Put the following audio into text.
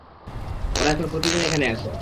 ওরা এখন প্রতিদিন এখানে আসে।